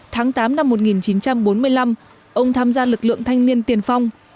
tháng tám năm một nghìn chín trăm bốn mươi năm ông tham gia lực lượng thanh niên tiền phong